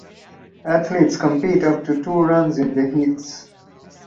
Athletes complete up to two runs in the heats.